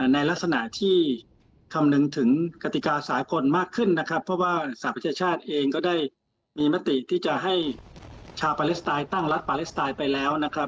ในลักษณะที่คำนึงถึงกติกาสากลมากขึ้นนะครับเพราะว่าสหประชาชาติเองก็ได้มีมติที่จะให้ชาวปาเลสไตน์ตั้งรัฐปาเลสไตน์ไปแล้วนะครับ